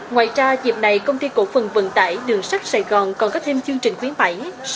ngoài ra dịp này công ty cổ phần vận tải đường sắt sài gòn còn có thêm chương trình khuyến bảy